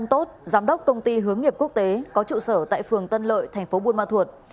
tốt giám đốc công ty hướng nghiệp quốc tế có trụ sở tại phường tân lợi thành phố buôn ma thuột